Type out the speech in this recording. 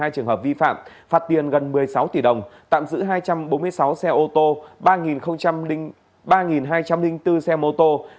một bốn trăm bảy mươi hai trường hợp vi phạm phát tiền gần một mươi sáu tỷ đồng tạm giữ hai trăm bốn mươi sáu xe ô tô ba hai trăm linh bốn xe mô tô